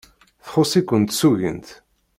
Txuṣṣ-iken tsugint.